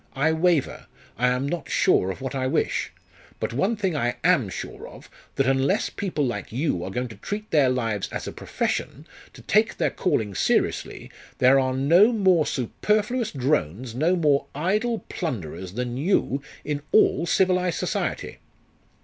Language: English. I waver I am not sure of what I wish. But one thing I am sure of, that unless people like you are going to treat their lives as a profession, to take their calling seriously, there are no more superfluous drones, no more idle plunderers than you, in all civilised society!"